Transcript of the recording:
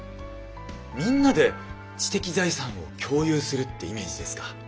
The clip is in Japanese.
みんなで知的財産を共有するってイメージですか。